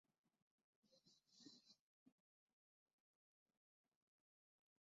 প্রত্নতাত্ত্বিক গবেষণা অনুসারে, টাওয়ারটি একটি মুক্ত-স্থায়ী চূড়া।